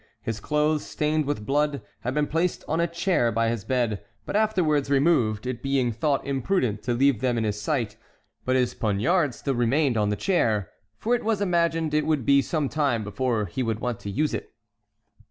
His clothes, stained with blood, had been placed on a chair by his bed, but afterwards removed, it being thought imprudent to leave them in his sight; but his poniard still remained on the chair, for it was imagined it would be some time before he would want to use it.